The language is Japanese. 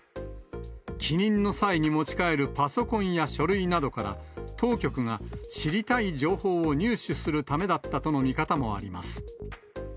帰任の際に持ち帰るパソコンや書類などから、当局が知りたい情報を入手するためだったとの見方もあります。